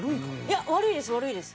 いや悪いです悪いです。